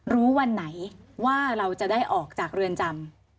วันไหนว่าเราจะได้ออกจากเรือนจำ